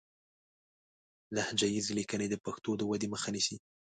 لهجه ييزې ليکنې د پښتو د ودې مخه نيسي